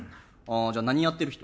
あじゃあ何やってる人？